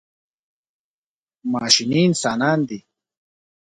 ماشیني انسانان دي.